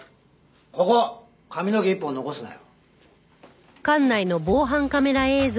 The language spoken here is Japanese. ここ髪の毛一本残すなよ。